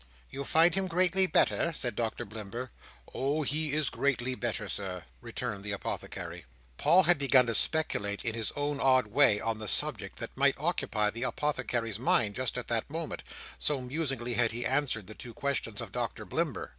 "You find him greatly better?" said Doctor Blimber. "Oh! he is greatly better, Sir," returned the Apothecary. Paul had begun to speculate, in his own odd way, on the subject that might occupy the Apothecary's mind just at that moment; so musingly had he answered the two questions of Doctor Blimber.